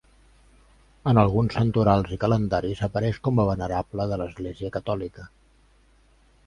En alguns santorals i calendaris, apareix com a venerable de l'Església Catòlica.